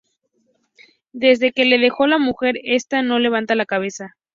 Desde que le dejó la mujer está que no levanta cabeza